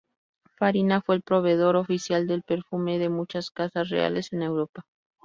Farina fue el proveedor oficial de perfume de muchas casas reales en Europa.